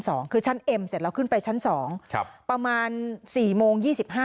เมื่อเสร็จแล้วเข้าไปชั้น๒ประมาณ๔โมง๒๕